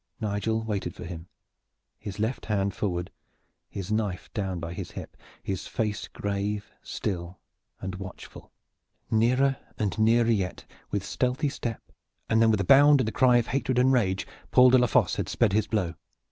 Nigel waited for him, his left hand forward, his knife down by his hip, his face grave, still and watchful. Nearer and nearer yet, with stealthy step, and then with a bound and a cry of hatred and rage Paul de la Fosse had sped his blow.